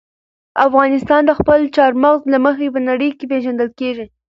افغانستان د خپلو چار مغز له مخې په نړۍ کې پېژندل کېږي.